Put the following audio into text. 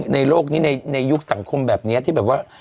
โลกนี้ในยุคสังคมแบบนี้ที่แบบว่า